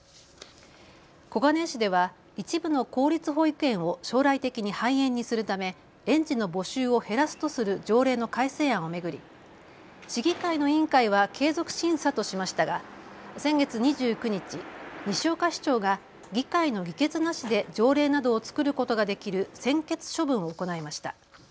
小金井市では一部の公立保育園を将来的に廃園にするため園児の募集を減らすとする条例の改正案を巡り、市議会の委員会は継続審査としましたが先月２９日、西岡市長が議会の議決なしで条例などを作ることができる専決処分を行いました。